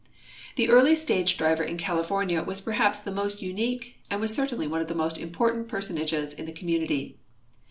The earl}'' stage driver in California was perhaps the most unique and was certainly one of the most important j^ersonages in the community.